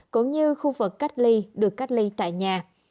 cũng như khu vực cách ly được cách ly tại nhà